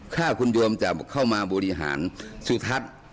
ถ้าคุณโยมจะเข้ามาบริหารสุทัศน์